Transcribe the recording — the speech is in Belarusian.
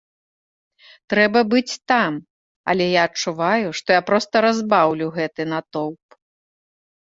Трэба быць там, але я адчуваю, што я проста разбаўлю гэты натоўп.